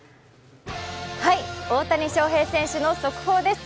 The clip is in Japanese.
大谷翔平選手の速報です。